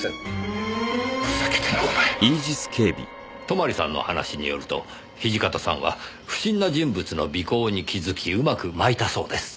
泊さんの話によると土方さんは不審な人物の尾行に気づきうまくまいたそうです。